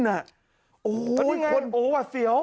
ตอนนี้ไงโอ้วว่าเสียว